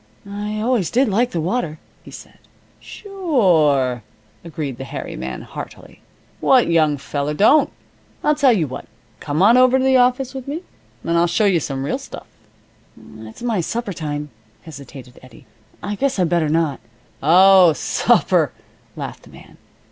"I always did like the water," he said. "Sure," agreed the hairy man, heartily. "What young feller don't? I'll tell you what. Come on over to the office with me and I'll show you some real stuff." "It's my supper time," hesitated Eddie. "I guess I'd better not " "Oh, supper," laughed the man.